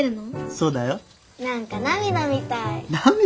そうだよ。何か涙みたい。涙？